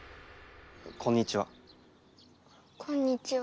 こんにちは。